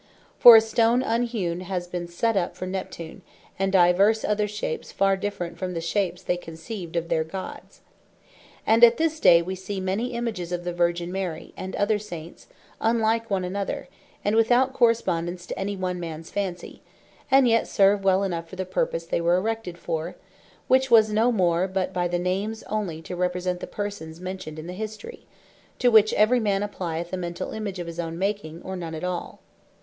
For a Stone unhewn has been set up for Neptune, and divers other shapes far different from the shapes they conceived of their Gods. And at this day we see many Images of the Virgin Mary, and other Saints, unlike one another, and without correspondence to any one mans Fancy; and yet serve well enough for the purpose they were erected for; which was no more but by the Names onely, to represent the Persons mentioned in the History; to which every man applyeth a Mentall Image of his owne making, or none at all.